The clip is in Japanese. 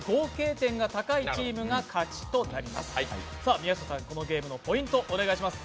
宮下さん、このゲームのポイントお願いします。